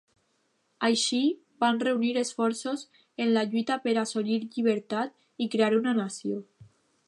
Així, van reunir esforços en la lluita per assolir llibertat i crear una nació.